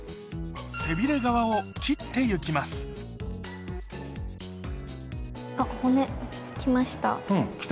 背びれ側を切って行きます来ました。